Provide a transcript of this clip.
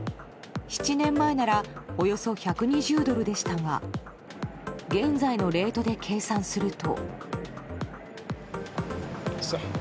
７年前ならおよそ１２０ドルでしたが現在のレートで計算すると。